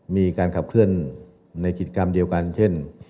มีการขับเคลื่อนในกิจกรรมเดียวกันเช่น